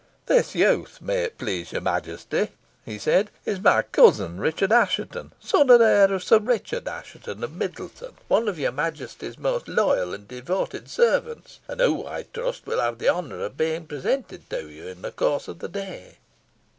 "This youth, may it please your Majesty," he said, "is my cousin, Richard Assheton, son and heir of Sir Richard Assheton of Middleton, one of your Majesty's most loyal and devoted servants, and who, I trust, will have the honour of being presented to you in the course of the day."